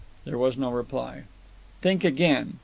There was no reply. "Think again!